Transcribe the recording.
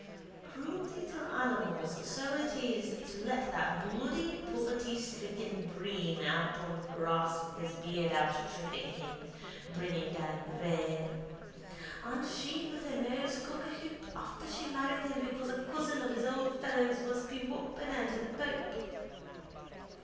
Cruelty to animals so it is to let that bloody povertystricken Breen out on grass with his beard out tripping him, bringing down the rain. And she with her nose cockahoop after she married him because a cousin of his old fellow's was pewopener to the pope.